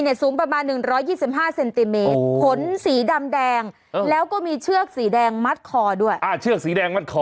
ยังไง